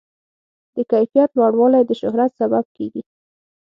د کیفیت لوړوالی د شهرت سبب کېږي.